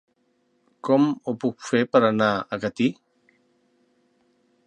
Com ho puc fer per anar a Catí?